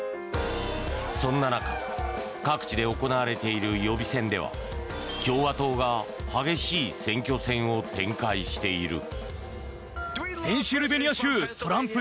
そんな中、各地で行われている予備選では共和党が激しい選挙戦を展開している。